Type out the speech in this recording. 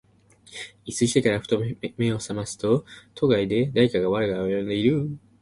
一睡してから、ふと眼めを覚ますと、戸外で誰かが我が名を呼んでいる。